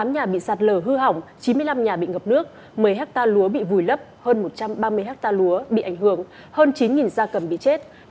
bốn mươi tám nhà bị sạt lở hư hỏng chín mươi năm nhà bị ngập nước một mươi ha lúa bị vùi lấp hơn một trăm ba mươi ha lúa bị ảnh hưởng hơn chín gia cầm bị chết